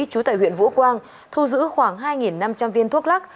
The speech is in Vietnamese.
trú tại huyện vũ quang thu giữ khoảng hai năm trăm linh viên thuốc lắc